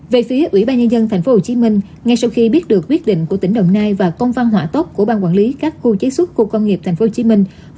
về phía ủy ban nhân dân tp hcm ngay sau khi biết được quyết định của tỉnh đồng nai và công văn hỏa tốc của ban quản lý các khu chế xuất khu công nghiệp tp hcm